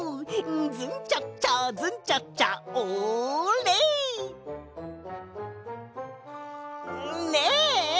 「ズンチャッチャズンチャッチャオーレ！」ねえ！